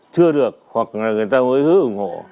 chưa được hoặc là người ta hứa ủng hộ